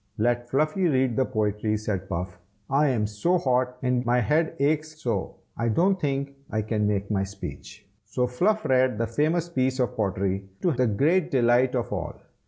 "Let Fluffy read the pottery!" said Puff. "I am so hot, and my head aches so, I don't think I can make my speech." So Fluff read the famous piece of pottery, to the great delight of all.